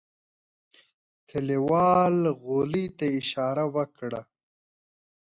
کليوال غولي ته اشاره وکړه.